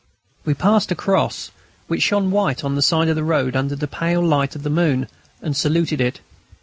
We passed a cross, which shone white on the side of the road under the pale light of the moon, and saluted it.